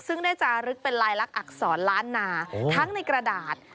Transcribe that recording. ซึ่งได้จารึกเป็นลายลักษณอักษรล้านนาทั้งในกระดาษ